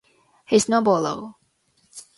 His novel Lo!